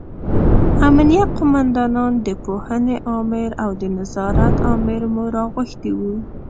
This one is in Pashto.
امینه قوماندان، د پوهنې امر او د نظارت امر مو راغوښتي وو.